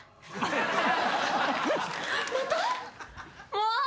もう！